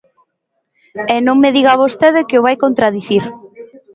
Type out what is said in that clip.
E non me diga vostede que o vai contradicir.